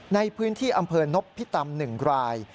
ในพื้นที่อำเภอนพิตำ๑ราย